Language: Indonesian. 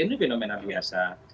ini fenomena biasa